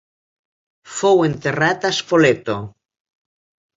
Fou enterrat a Spoleto.